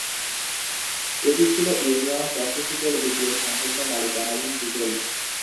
এটি ছিল ইউনিয়ন প্যাসিফিকের দ্বিতীয় সম্পূর্ণ মালিকানাধীন ডিজেল।